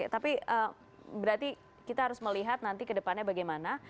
tapi berarti kita harus melihat nanti ke depannya bagaimana